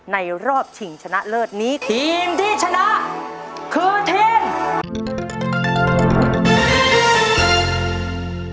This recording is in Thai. รอบชิงชนะเลิศนี้ทีมที่ชนะคือทีม